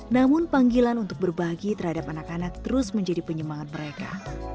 namun panggilan untuk berbagi terhadap anak anak terus menjadi penyemangat mereka